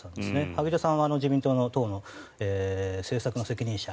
萩生田さんは自民党の党の政策の責任者。